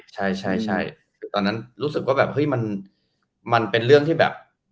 ใช่ตอนนั้นรู้สึกว่ามันเป็นเรื่องที่แบบ